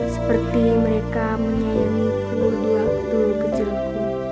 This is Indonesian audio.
jadi mereka menyayangi kudu waktu kecilku